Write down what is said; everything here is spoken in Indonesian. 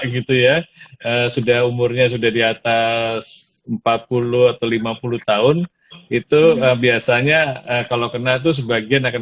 gitu ya sudah umurnya sudah di atas empat puluh atau lima puluh tahun itu biasanya kalau kena tuh sebagian akan